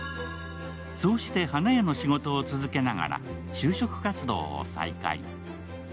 そうして花屋の仕事を続けながら就職活動を再開。